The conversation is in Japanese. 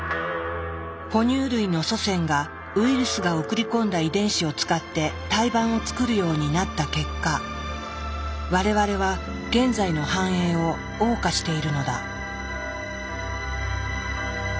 哺乳類の祖先がウイルスが送り込んだ遺伝子を使って胎盤を作るようになった結果我々は現在の繁栄を謳歌しているのだ。